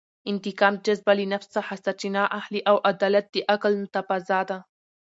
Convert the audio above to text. د انتقام جذبه له نفس څخه سرچینه اخلي او عدالت د عقل تفاضا ده.